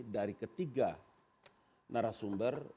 dari ketiga narasumber